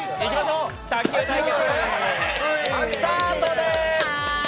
卓球対決スタートです！！